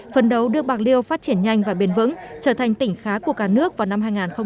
phấn đấu đưa bạc liêu phát triển nhanh và bền vững trở thành tỉnh khá của cả nước vào năm hai nghìn ba mươi